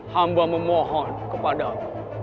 hamba memohon kepada aku